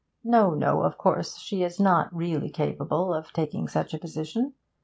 'No, no, of course, she is not really capable of taking such a position.